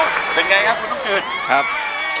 เก่งคิดเก่ง